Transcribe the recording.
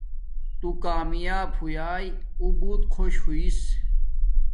تو کمیاپ ہویاݵ اُو بوت خوش ہوݵس